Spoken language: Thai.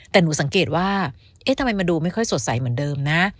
แต่หนูสังเกตว่าเอ๊ะทำไมมันดูไม่ค่อยสดใสเหมือนเดิมนะ